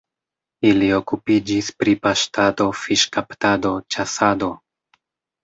Ili okupiĝis pri paŝtado, fiŝkaptado, ĉasado.